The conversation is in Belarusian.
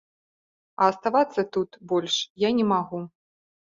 А аставацца тут больш я не магу.